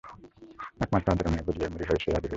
একমাত্র আদরের মেয়ে বলেই মরিয়া হয়ে সে রাজি হয়েছিল।